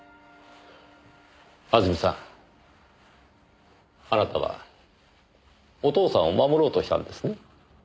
あずみさんあなたはお父さんを守ろうとしたんですね？